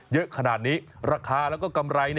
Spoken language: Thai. เยอะขนาดนี้ราคาแล้วก็กำไร